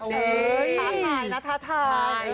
น่าถาทาย